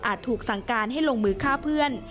ถูกสั่งการให้ลงมือฆ่าเพื่อน